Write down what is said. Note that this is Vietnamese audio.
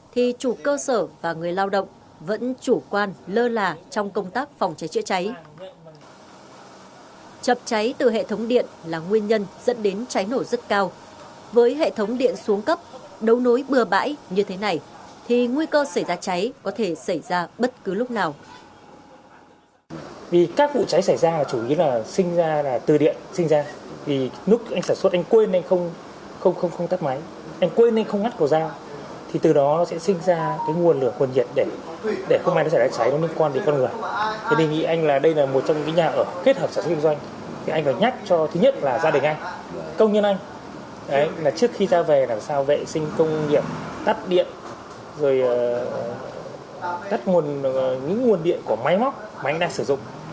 thứ nhất là gia đình anh công nhân anh trước khi ra về làm sao vệ sinh công nghiệp tắt điện tắt nguồn điện của máy móc mà anh đang sử dụng và anh phải kiểm tra trước khi anh đi ngủ